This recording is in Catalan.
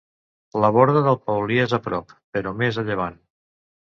La Borda del Paulí és a prop, però més a llevant.